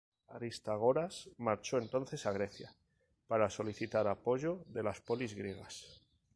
Aristágoras marchó entonces a Grecia para solicitar apoyo de las polis griegas.